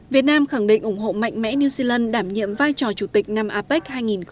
việt nam khẳng định ủng hộ mạnh mẽ new zealand đảm nhiệm vai trò chủ tịch năm apec hai nghìn hai mươi